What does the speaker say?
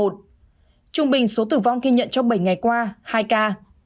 trung bình số tử vong ghi nhận trong bảy ngày qua hai ca